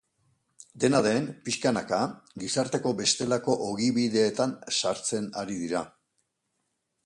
Dena den, pixkanaka, gizarteko bestelako ogibideetan sartzen ari dira.